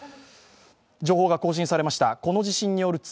情報が更新されました。